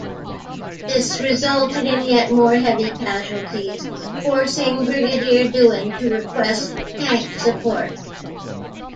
This resulted in yet more heavy casualties, forcing Brigadier Dewan to request tank support.